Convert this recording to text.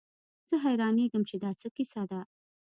زه حيرانېږم چې دا څه کيسه ده.